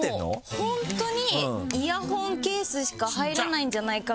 本当にイヤホンケースしか入らないんじゃないかぐらいの。